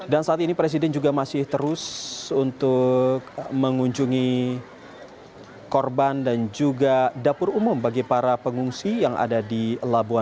dan saat ini presiden juga masih terus untuk mengunjungi korban dan juga dapur umum bagi para pengungsi yang ada di lampung